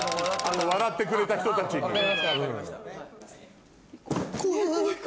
笑ってくれた人たちに。